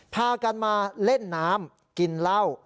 พากันมาเล่นน้ำกินเหล้า